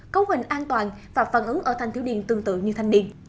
cấu hình an toàn và phản ứng ở thanh thiếu niên tương tự như thanh niên